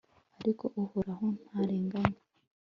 ariko uhoraho ntarenganya